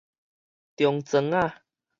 中庄仔